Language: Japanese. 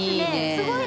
すごい！